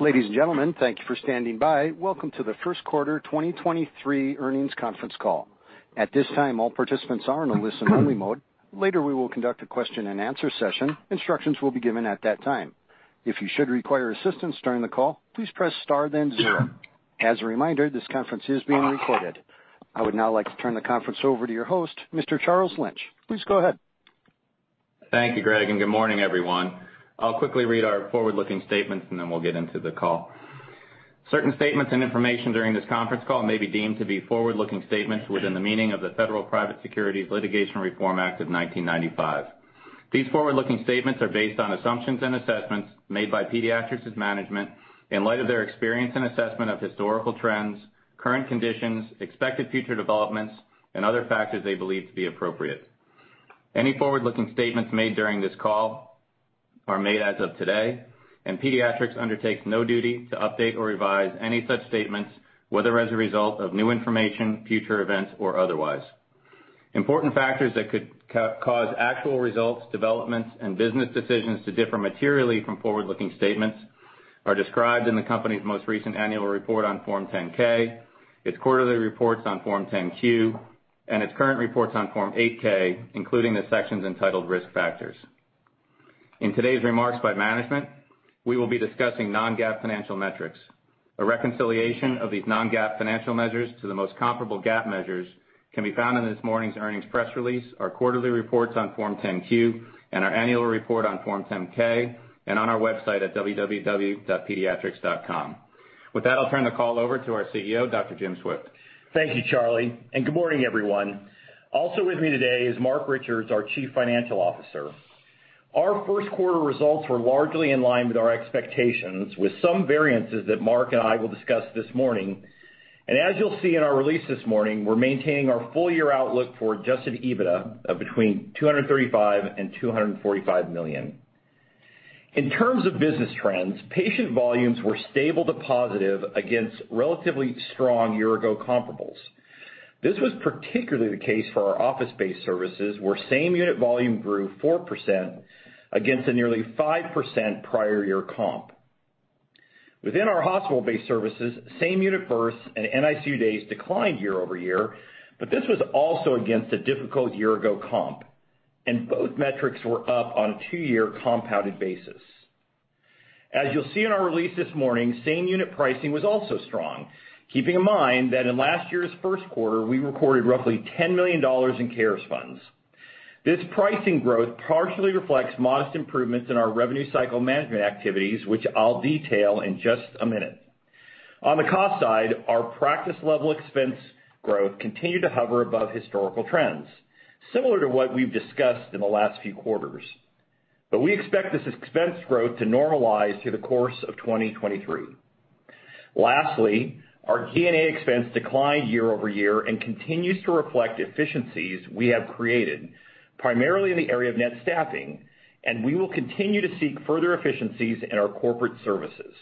Ladies and gentlemen, thank you for standing by. Welcome to the 1st quarter 2023 earnings conference call. At this time, all participants are in a listen-only mode. Later, we will conduct a question-and-answer session. Instructions will be given at that time. If you should require assistance during the call, please press star then zero. As a reminder, this conference is being recorded. I would now like to turn the conference over to your host, Mr. Charles Lynch. Please go ahead. Thank you, Greg, and good morning, everyone. I'll quickly read our forward-looking statements, and then we'll get into the call. Certain statements and information during this conference call may be deemed to be forward-looking statements within the meaning of the Federal Private Securities Litigation Reform Act of 1995. These forward-looking statements are based on assumptions and assessments made by Pediatrix's management in light of their experience and assessment of historical trends, current conditions, expected future developments, and other factors they believe to be appropriate. Any forward-looking statements made during this call are made as of today, and Pediatrix undertakes no duty to update or revise any such statements, whether as a result of new information, future events, or otherwise. Important factors that could cause actual results, developments, and business decisions to differ materially from forward-looking statements are described in the company's most recent annual report on Form 10-K, its quarterly reports on Form 10-Q, and its current reports on Form 8-K, including the sections entitled Risk Factors. In today's remarks by management, we will be discussing non-GAAP financial metrics. A reconciliation of these non-GAAP financial measures to the most comparable GAAP measures can be found in this morning's earnings press release, our quarterly reports on Form 10-Q, and our annual report on Form 10-K, and on our website at www.pediatrix.com. With that, I'll turn the call over to our CEO, Dr. Jim Swift. Thank you, Charlie. Good morning, everyone. Also with me today is Marc Richards, our Chief Financial Officer. Our first quarter results were largely in line with our expectations, with some variances that Marc and I will discuss this morning. As you'll see in our release this morning, we're maintaining our full year outlook for adjusted EBITDA of between $235 million-$245 million. In terms of business trends, patient volumes were stable to positive against relatively strong year-ago comparables. This was particularly the case for our office-based services, where same unit volume grew 4% against a nearly 5% prior year comp. Within our hospital-based services, same unit births and NICU days declined year-over-year, but this was also against a difficult year-ago comp, and both metrics were up on a two-year compounded basis. As you'll see in our release this morning, same unit pricing was also strong. Keeping in mind that in last year's first quarter, we recorded roughly $10 million in CARES funds. This pricing growth partially reflects modest improvements in our revenue cycle management activities, which I'll detail in just a minute. On the cost side, our practice level expense growth continued to hover above historical trends, similar to what we've discussed in the last few quarters. We expect this expense growth to normalize through the course of 2023. Lastly, our G&A expense declined year-over-year and continues to reflect efficiencies we have created, primarily in the area of net staffing, and we will continue to seek further efficiencies in our corporate services.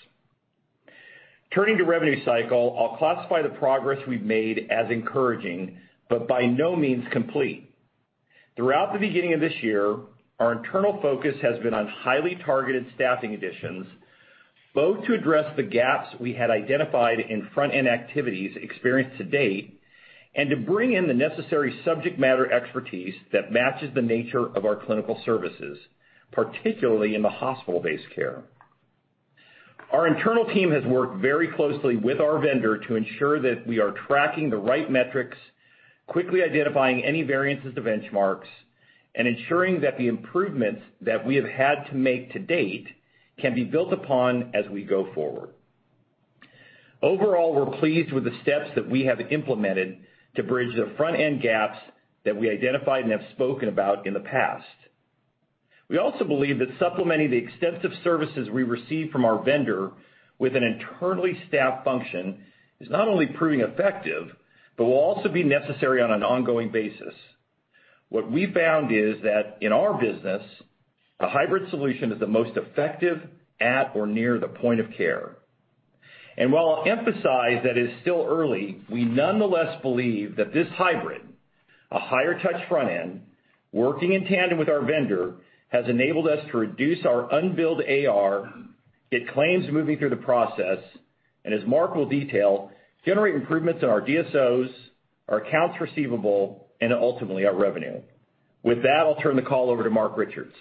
Turning to revenue cycle, I'll classify the progress we've made as encouraging, but by no means complete. Throughout the beginning of this year, our internal focus has been on highly targeted staffing additions, both to address the gaps we had identified in front-end activities experienced to date and to bring in the necessary subject matter expertise that matches the nature of our clinical services, particularly in the hospital-based care. Our internal team has worked very closely with our vendor to ensure that we are tracking the right metrics, quickly identifying any variances to benchmarks, and ensuring that the improvements that we have had to make to date can be built upon as we go forward. Overall, we're pleased with the steps that we have implemented to bridge the front-end gaps that we identified and have spoken about in the past. We also believe that supplementing the extensive services we receive from our vendor with an internally staffed function is not only proving effective but will also be necessary on an ongoing basis. What we found is that in our business, a hybrid solution is the most effective at or near the point of care. While I emphasize that it is still early, we nonetheless believe that this hybrid, a higher touch front end working in tandem with our vendor, has enabled us to reduce our unbilled AR, get claims moving through the process, and as Marc will detail, generate improvements in our DSOs, our accounts receivable, and ultimately our revenue. With that, I'll turn the call over to Marc Richards.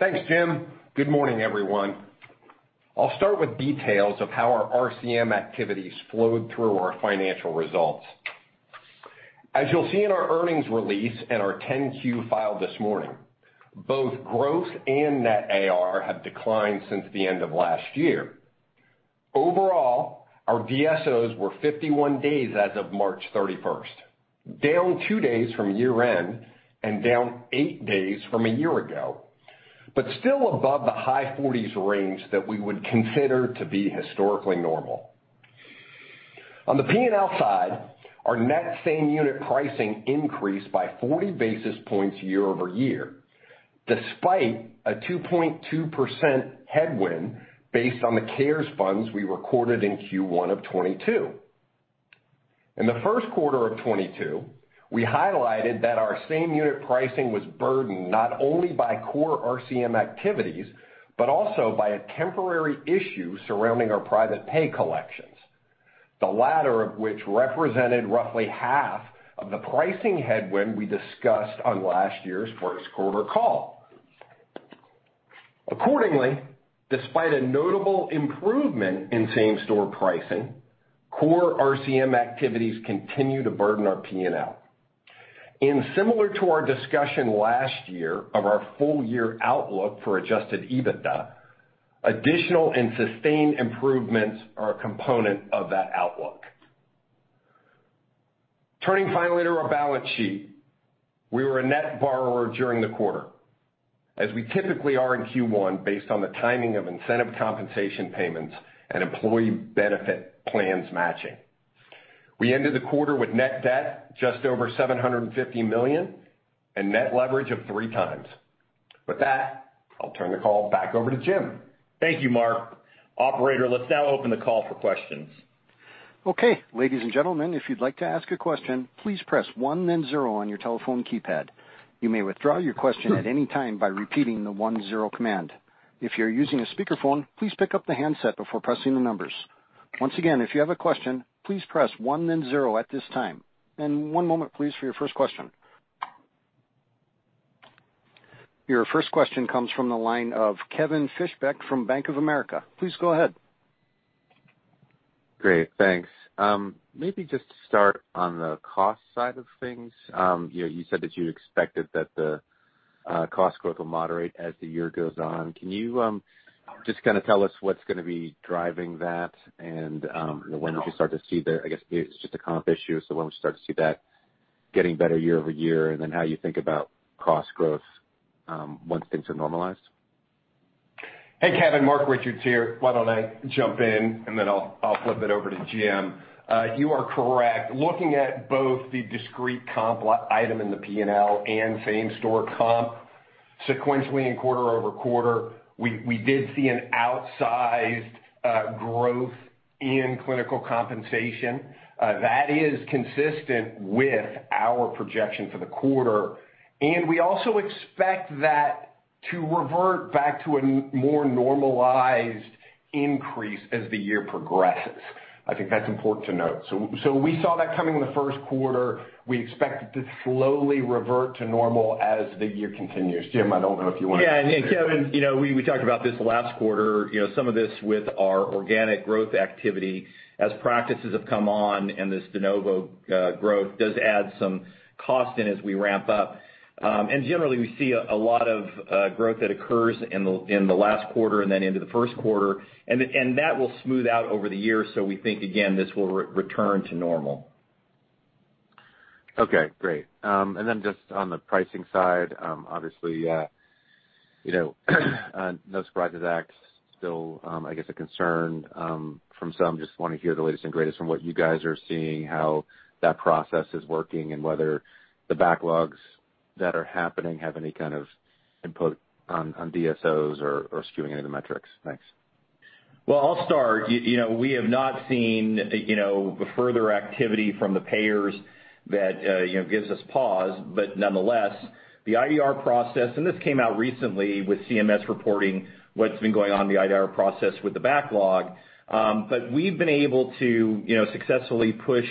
Thanks, Jim. Good morning, everyone. I'll start with details of how our RCM activities flowed through our financial results. As you'll see in our earnings release and our 10-Q file this morning, both growth and net AR have declined since the end of last year. Overall, our DSOs were 51 days as of March 31st, down two days from year-end and down eight days from a year ago, but still above the high 40s range that we would consider to be historically normal. On the P&L side, our net same unit pricing increased by 40 basis points year-over-year, despite a 2.2% headwind based on the CARES funds we recorded in Q1 of 2022. In the first quarter of '22, we highlighted that our same unit pricing was burdened not only by core RCM activities, but also by a temporary issue surrounding our private pay collections, the latter of which represented roughly half of the pricing headwind we discussed on last year's first quarter call. Accordingly, despite a notable improvement in same-store pricing, core RCM activities continue to burden our P&L. Similar to our discussion last year of our full year outlook for adjusted EBITDA, additional and sustained improvements are a component of that outlook. Turning finally to our balance sheet. We were a net borrower during the quarter, as we typically are in Q1 based on the timing of incentive compensation payments and employee benefit plans matching. We ended the quarter with net debt just over $750 million, and net leverage of three times. With that, I'll turn the call back over to Jim. Thank you, Marc. Operator, let's now open the call for questions. Okay. Ladies and gentlemen, if you'd like to ask a question, please press one then zero on your telephone keypad. You may withdraw your question at any time by repeating the one, zero command. If you're using a speakerphone, please pick up the handset before pressing the numbers. Once again, if you have a question, please press one then zero at this time. One moment please for your first question. Your first question comes from the line of Kevin Fischbeck from Bank of America. Please go ahead. Great. Thanks. maybe just to start on the cost side of things. you know, you said that you expected that the cost growth will moderate as the year goes on. Can you just kinda tell us what's gonna be driving that and when we should start to see I guess it's just a comp issue, so when we'll start to see that getting better year-over-year, and then how you think about cost growth once things are normalized? Hey, Kevin. Marc Richards here. Why don't I jump in, and then I'll flip it over to Jim. You are correct. Looking at both the discrete comp item in the P&L and same-store comp, sequentially and quarter-over-quarter, we did see an outsized growth in clinical compensation. That is consistent with our projection for the quarter, and we also expect that to revert back to a more normalized increase as the year progresses. I think that's important to note. We saw that coming in the first quarter. We expect it to slowly revert to normal as the year continues. Jim, I don't know if you wanna. Yeah. Kevin, you know, we talked about this last quarter. You know, some of this with our organic growth activity, as practices have come on and this de novo growth does add some cost in as we ramp up. Generally, we see a lot of growth that occurs in the last quarter and then into the first quarter, and that will smooth out over the year. We think, again, this will return to normal. Okay. Great. Just on the pricing side, obviously, you know, No Surprises Act still a concern from some. Just wanna hear the latest and greatest from what you guys are seeing, how that process is working, and whether the backlogs that are happening have any kind of input on DSOs or skewing any of the metrics? Thanks. Well, I'll start. You know, we have not seen, you know, further activity from the payers that, you know, gives us pause. Nonetheless, the IDR process, and this came out recently with CMS reporting what's been going on in the IDR process with the backlog. We've been able to, you know, successfully push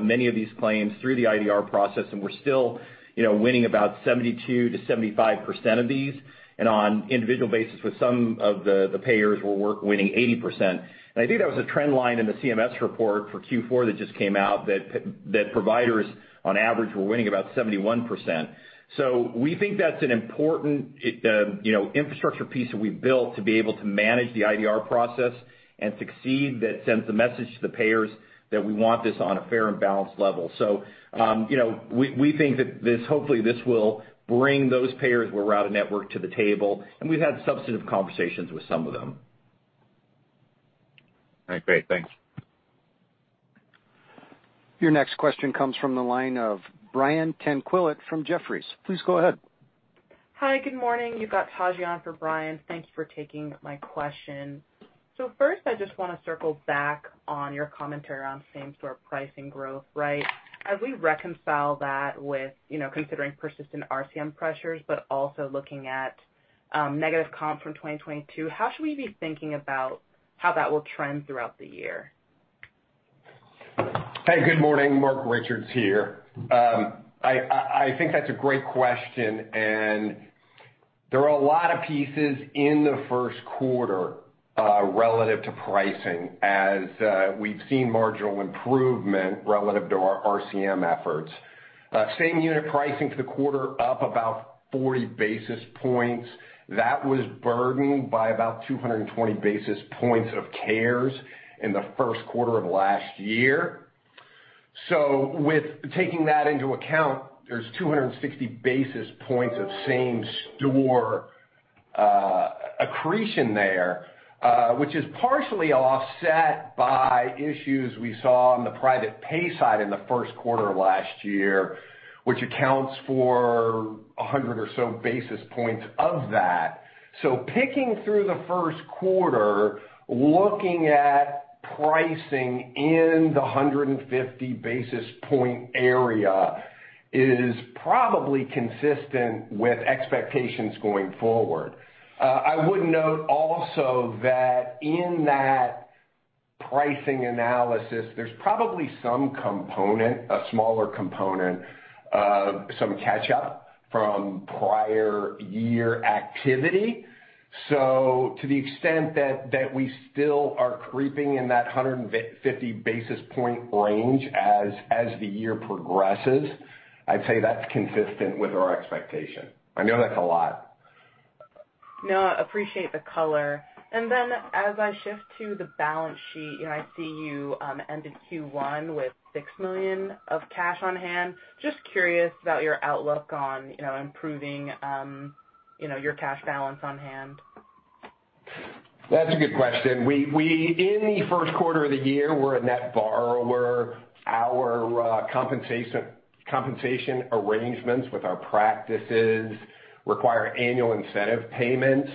many of these claims through the IDR process, and we're still, you know, winning about 72%-75% of these. On individual basis with some of the payers, we're winning 80%. I think that was a trend line in the CMS report for Q4 that just came out that providers on average were winning about 71%. We think that's an important, you know, infrastructure piece that we've built to be able to manage the IDR process and succeed that sends a message to the payers that we want this on a fair and balanced level. You know, we think that hopefully this will bring those payers we're out of network to the table, and we've had substantive conversations with some of them. All right. Great. Thanks. Your next question comes from the line of Brian Tanquilut from Jefferies. Please go ahead. Hi, good morning. You've got Taji on for Brian. Thank you for taking my question. First, I just wanna circle back on your commentary around same-store pricing growth, right? As we reconcile that with, you know, considering persistent RCM pressures, also looking at negative comp from 2022, how should we be thinking about how that will trend throughout the year? Hey, good morning. Marc Richards here. I think that's a great question, and there are a lot of pieces in the first quarter relative to pricing as we've seen marginal improvement relative to our RCM efforts. Same unit pricing for the quarter up about 40 basis points. That was burdened by about 220 basis points of CARES in the first quarter of last year. With taking that into account, there's 260 basis points of same-store accretion there, which is partially offset by issues we saw on the private pay side in the first quarter of last year, which accounts for 100 or so basis points of that. Picking through the first quarter, looking atPricing in the 150 basis point area is probably consistent with expectations going forward. I would note also that in that pricing analysis, there's probably some component, a smaller component of some catch-up from prior year activity. To the extent that we still are creeping in that 150 basis point range as the year progresses, I'd say that's consistent with our expectation. I know that's a lot. No, I appreciate the color. As I shift to the balance sheet, you know, I see you, ended Q1 with $6 million of cash on hand. Just curious about your outlook on, you know, improving, you know, your cash balance on hand. That's a good question. We in the first quarter of the year, we're a net borrower. Our compensation arrangements with our practices require annual incentive payments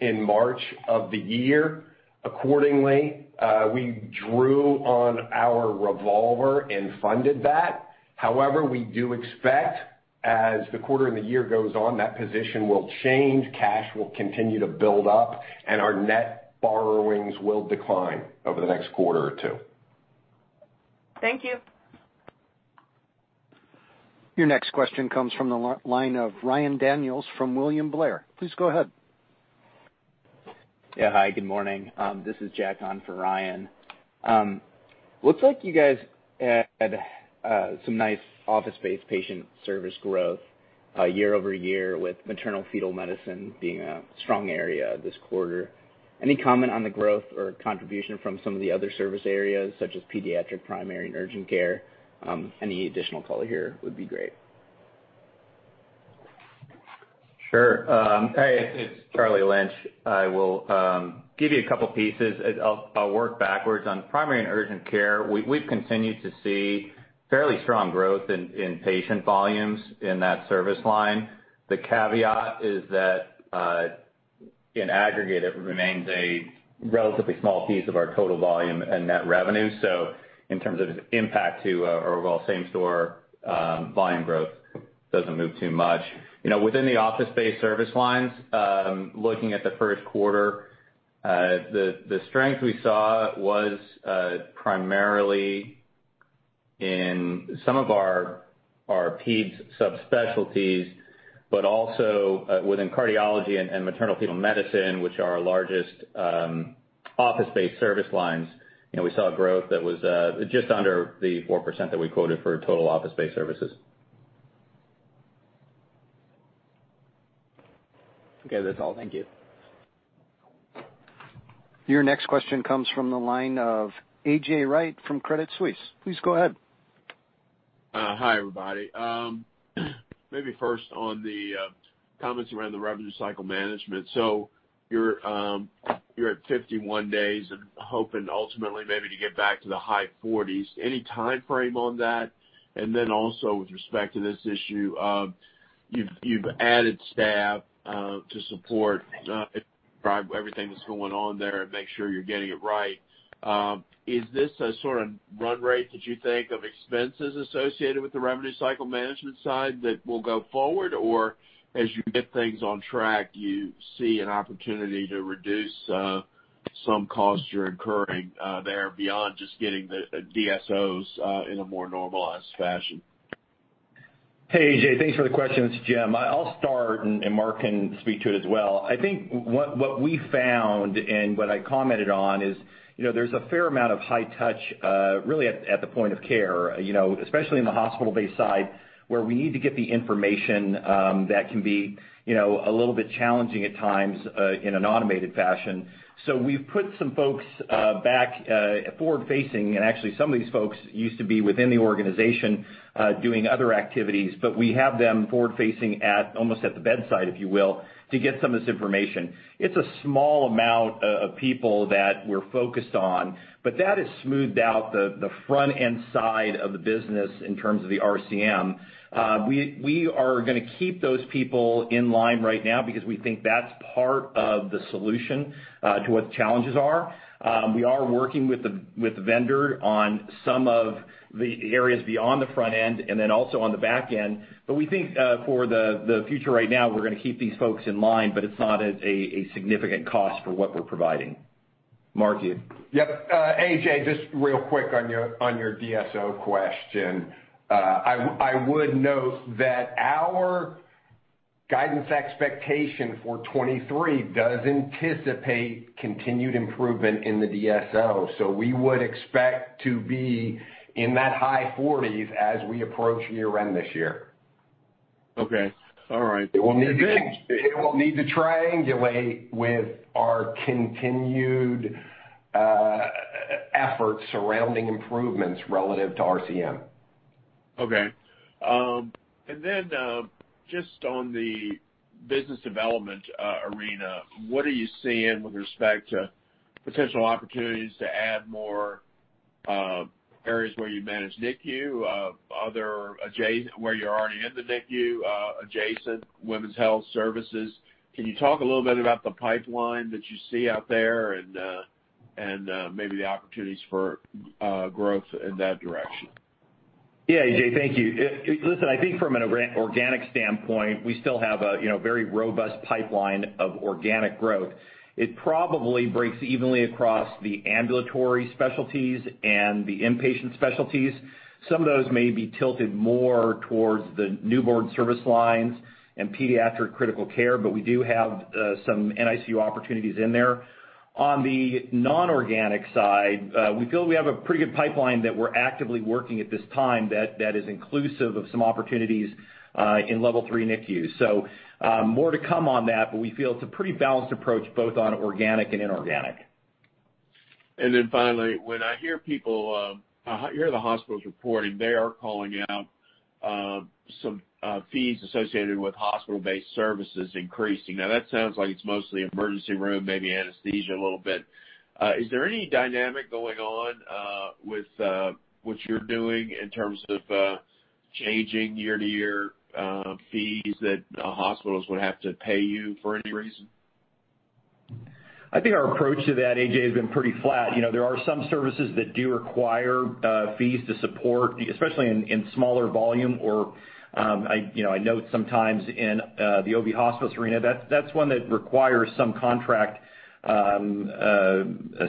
in March of the year. Accordingly, we drew on our revolver and funded that. However, we do expect, as the quarter and the year goes on, that position will change, cash will continue to build up, and our net borrowings will decline over the next quarter or two. Thank you. Your next question comes from the line of Ryan Daniels from William Blair. Please go ahead. Hi, good morning. This is Jack on for Ryan. Looks like you guys had some nice office-based patient service growth year-over-year, with maternal-fetal medicine being a strong area this quarter. Any comment on the growth or contribution from some of the other service areas such as pediatric, primary, and urgent care? Any additional color here would be great. Sure. Hey, it's Charlie Lynch. I will give you a couple pieces, and I'll work backwards. On primary and urgent care, we've continued to see fairly strong growth in patient volumes in that service line. The caveat is that in aggregate, it remains a relatively small piece of our total volume and net revenue. In terms of impact to our overall same store volume growth doesn't move too much. You know, within the office-based service lines, looking at the first quarter, the strength we saw was primarily in some of our pedes subspecialties, but also within cardiology and maternal-fetal medicine, which are our largest office-based service lines. You know, we saw growth that was just under the 4% that we quoted for total office-based services. Okay, that's all. Thank you. Your next question comes from the line of A.J. Rice from Credit Suisse. Please go ahead. Hi, everybody. Maybe first on the comments around the revenue cycle management. You're at 51 days and hoping ultimately maybe to get back to the high 40s. Any timeframe on that? Also with respect to this issue, you've added staff to support everything that's going on there and make sure you're getting it right. Is this a sort of run rate that you think of expenses associated with the revenue cycle management side that will go forward? As you get things on track, you see an opportunity to reduce some costs you're incurring there beyond just getting the DSOs in a more normalized fashion? Hey, A.J. Thanks for the question. It's Jim. I'll start and Marc can speak to it as well. I think what we found and what I commented on is, you know, there's a fair amount of high touch, really at the point of care, you know, especially in the hospital-based side, where we need to get the information, that can be, you know, a little bit challenging at times, in an automated fashion. We've put some folks back forward-facing. Actually, some of these folks used to be within the organization doing other activities. We have them forward-facing almost at the bedside, if you will, to get some of this information. It's a small amount of people that we're focused on, but that has smoothed out the front-end side of the business in terms of the RCM. We, we are gonna keep those people in line right now because we think that's part of the solution to what the challenges are. We are working with the, with the vendor on some of the areas beyond the front end and then also on the back end. We think for the future right now, we're gonna keep these folks in mind, but it's not a significant cost for what we're providing. Marc, to you. Yep. A.J., just real quick on your, on your DSO question. I would note that our guidance expectation for 23 does anticipate continued improvement in the DSO. We would expect to be in that high 40s as we approach year-end this year. Okay. All right. It will need to triangulate with our continued efforts surrounding improvements relative to RCM. Okay. Just on the business development arena, what are you seeing with respect to potential opportunities to add more areas where you manage NICU, where you're already in the NICU, adjacent women's health services. Can you talk a little bit about the pipeline that you see out there and, maybe the opportunities for growth in that direction? Yeah, A.J., thank you. Listen, I think from an organic standpoint, we still have a, you know, very robust pipeline of organic growth. It probably breaks evenly across the ambulatory specialties and the inpatient specialties. Some of those may be tilted more towards the newborn service lines and pediatric critical care, but we do have some NICU opportunities in there. On the non-organic side, we feel we have a pretty good pipeline that we're actively working at this time that is inclusive of some opportunities in Level III NICU. More to come on that, but we feel it's a pretty balanced approach both on organic and inorganic. Finally, when I hear people, I hear the hospitals reporting they are calling out, some fees associated with hospital-based services increasing. That sounds like it's mostly emergency room, maybe anesthesia a little bit. Is there any dynamic going on with what you're doing in terms of changing year-to-year fees that hospitals would have to pay you for any reason? I think our approach to that, A.J., has been pretty flat. You know, there are some services that do require fees to support, especially in smaller volume or, I know sometimes in the OB hospitalist arena, that's one that requires some contract a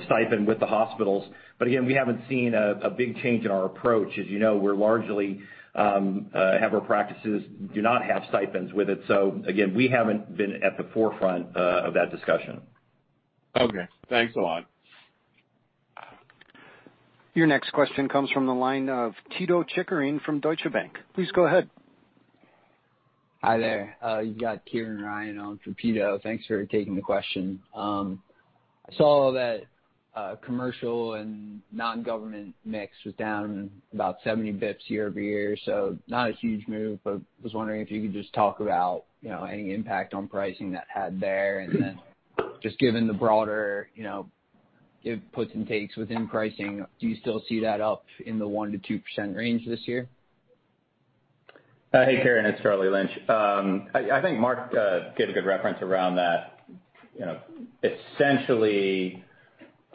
stipend with the hospitals. Again, we haven't seen a big change in our approach. As you know, we're largely have our practices do not have stipends with it. Again, we haven't been at the forefront of that discussion. Okay. Thanks a lot. Your next question comes from the line of Pito Chickering from Deutsche Bank. Please go ahead. Hi there. You've got Kieran Ryan on for Pito. Thanks for taking the question. I saw that commercial and non-government mix was down about 70 basis points year-over-year, so not a huge move, but was wondering if you could just talk about, you know, any impact on pricing that had there. Just given the broader, you know, give puts and takes within pricing, do you still see that up in the 1%-2% range this year? Hey, Kieran. It's Charlie Lynch. I think Marc gave a good reference around that, you know, essentially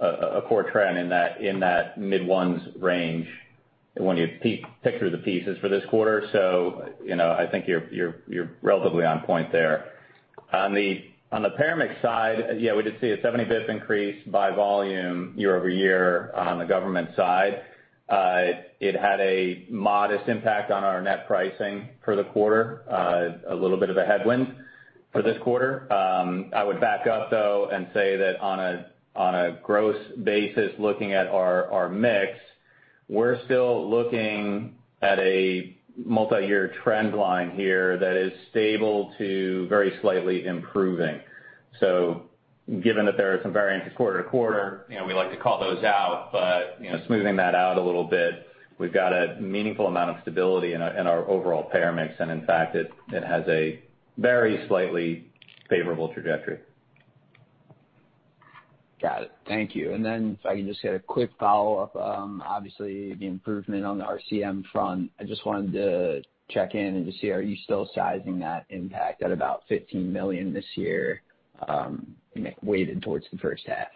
a core trend in that mid-1s range when you pick through the pieces for this quarter. You know, I think you're relatively on point there. On the payor mix side, yeah, we did see a 70 basis points increase by volume year-over-year on the government side. It had a modest impact on our net pricing for the quarter, a little bit of a headwind for this quarter. I would back up, though, and say that on a gross basis, looking at our mix, we're still looking at a multiyear trend line here that is stable to very slightly improving. Given that there are some variances quarter to quarter, you know, we like to call those out. You know, smoothing that out a little bit, we've got a meaningful amount of stability in our, in our overall payor mix, and in fact, it has a very slightly favorable trajectory. Got it. Thank you. If I can just get a quick follow-up. Obviously, the improvement on the RCM front. I just wanted to check in and just see, are you still sizing that impact at about $15 million this year, like, weighted towards the first half?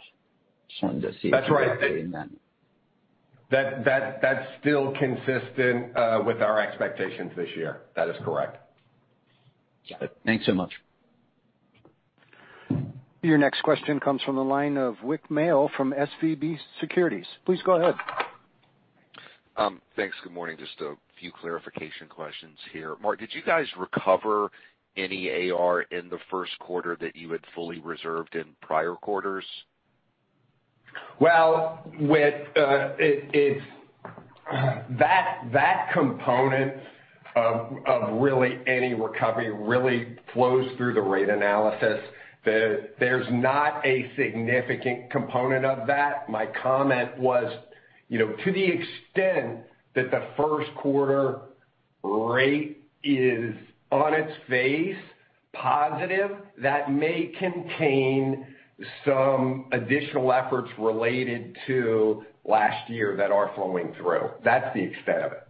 Just wanted to see. That's right. weighted in that. That's still consistent with our expectations this year. That is correct. Got it. Thanks so much. Your next question comes from the line of Whit Mayo from SVB Securities. Please go ahead. Thanks. Good morning. Just a few clarification questions here. Marc, did you guys recover any AR in the first quarter that you had fully reserved in prior quarters? Well, Whit Mayo, it's that component of really any recovery really flows through the rate analysis. There's not a significant component of that. My comment was, you know, to the extent that the first quarter rate is, on its face, positive, that may contain some additional efforts related to last year that are flowing through. That's the extent of it.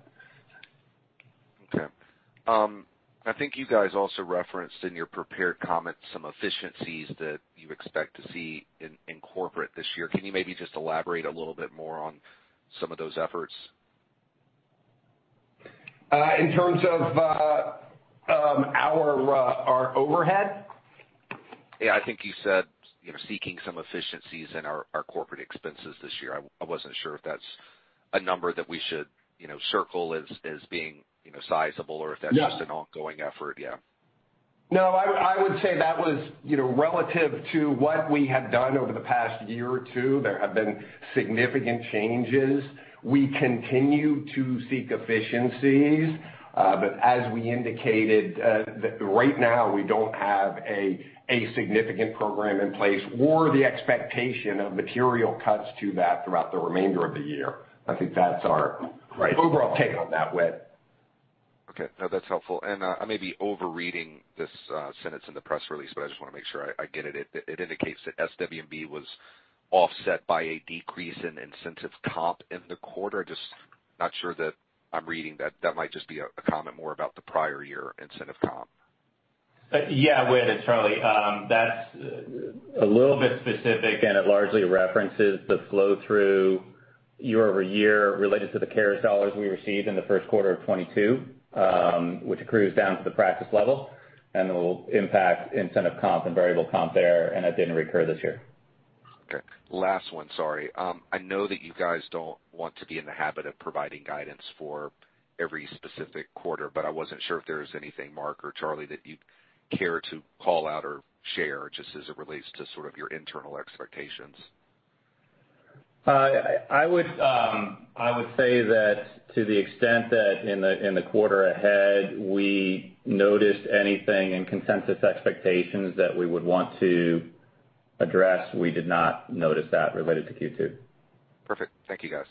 Okay. I think you guys also referenced in your prepared comments some efficiencies that you expect to see in corporate this year. Can you maybe just elaborate a little bit more on some of those efforts? In terms of our overhead? Yeah. I think you said, you know, seeking some efficiencies in our corporate expenses this year. I wasn't sure if that's a number that we should, you know, circle as being, you know, sizable or if that's. Yeah. just an ongoing effort. Yeah. No. I would say that was, you know, relative to what we have done over the past year or two, there have been significant changes. We continue to seek efficiencies. As we indicated, right now we don't have a significant program in place or the expectation of material cuts to that throughout the remainder of the year. I think that's our. Right. Overall take on that, Whit Mayo? Okay. No, that's helpful. I may be overreading this sentence in the press release, but I just wanna make sure I get it. It indicates that SWB was offset by a decrease in incentive comp in the quarter. Just not sure that I'm reading that. That might just be a comment more about the prior year incentive comp. Yeah. Whit, it's Charlie. That's a little bit specific, and it largely references the flow through year-over-year related to the care dollars we received in the first quarter of 2022, which accrues down to the practice level and it will impact incentive comp and variable comp there, and that didn't recur this year. Okay. Last one, sorry. I know that you guys don't want to be in the habit of providing guidance for every specific quarter. I wasn't sure if there was anything, Marc or Charlie, that you'd care to call out or share just as it relates to sort of your internal expectations. I would say that to the extent that in the, in the quarter ahead we noticed anything in consensus expectations that we would want to address, we did not notice that related to Q2. Perfect. Thank you, guys.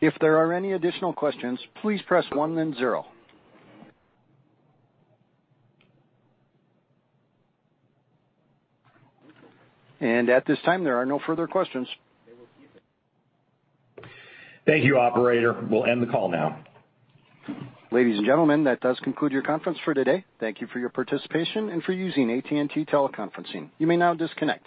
If there are any additional questions, please press one then zero. At this time, there are no further questions. Thank you, operator. We'll end the call now. Ladies and gentlemen, that does conclude your conference for today. Thank you for your participation and for using AT&T Teleconferencing. You may now disconnect.